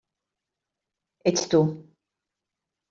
Ets tu.